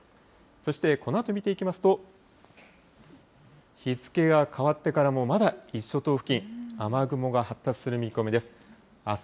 そして、このあと見ていきますと、日付が変わってからもまだ伊豆諸島付近、雨雲が発達する見込みです。